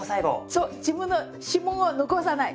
そう自分の指紋は残さない。